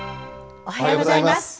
おはようございます。